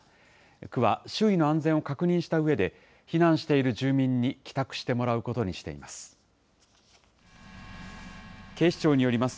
区は周囲の安全を確認したうえで、避難している住民に帰宅してもらうことにしています。